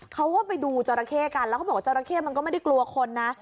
เขาก็ไปดูจราเข้กันแล้วเขาบอกว่าจราเข้มันก็ไม่ได้กลัวคนนะ